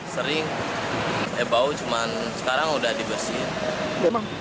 sering bau cuma sekarang sudah dibersih